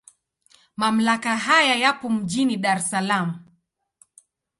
Mamlaka haya yapo mjini Dar es Salaam.